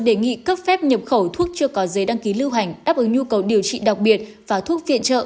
đề nghị cấp phép nhập khẩu thuốc chưa có giấy đăng ký lưu hành đáp ứng nhu cầu điều trị đặc biệt và thuốc viện trợ